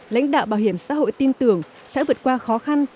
lãnh đạo bảo hiểm xã hội tin tưởng sẽ vượt qua khó khăn